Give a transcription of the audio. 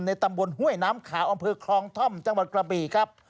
ตำบลห้วยน้ำขาวอำเภอคลองท่อมจังหวัดกระบีครับ